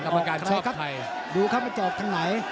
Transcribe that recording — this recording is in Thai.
กรรมการชอบใครครับดูเขามาจอบทางไหน